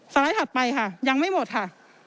ไลด์ถัดไปค่ะยังไม่หมดค่ะ